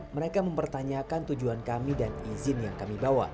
mereka mempertanyakan tujuan kami dan izin yang kami bawa